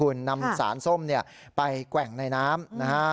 นำสารส้มไปแกว่งในน้ำ